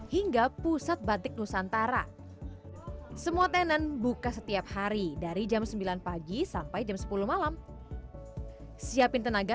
hingga pusat batik nusantara semua tenen buka setiap hari dari sembilan sampai sepuluh siapin tenaga